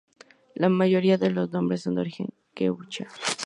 La mayoría de los nombres son de origen Quechua.